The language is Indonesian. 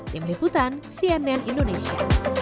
tim liputan cnn indonesia